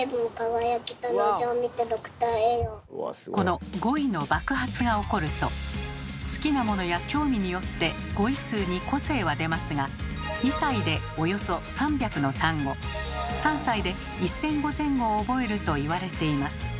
この語彙の爆発が起こると好きなものや興味によって語彙数に個性は出ますが２歳でおよそ３００の単語３歳で１，０００語前後を覚えると言われています。